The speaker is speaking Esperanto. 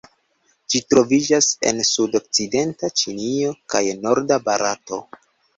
Ĝi troviĝas en sudokcidenta Ĉinio kaj norda Barato.